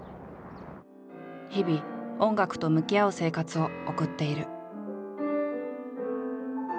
日々音楽と向き合う生活を送っている。